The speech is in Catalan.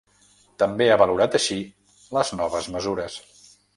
També ha valorat així les noves mesures.